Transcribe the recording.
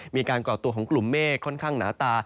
ก่อตัวของกลุ่มเมฆค่อนข้างหนาตา